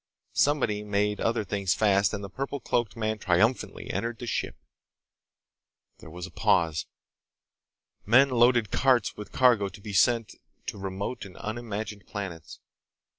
Somebody made other things fast and the purple cloaked man triumphantly entered the ship. There was a pause. Men loaded carts with cargo to be sent to remote and unimagined planets.